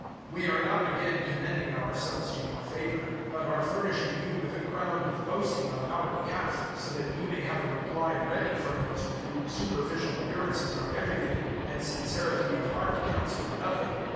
005:012 We are not again commending ourselves to your favour, but are furnishing you with a ground of boasting on our behalf, so that you may have a reply ready for those with whom superficial appearances are everything and sincerity of heart counts for nothing.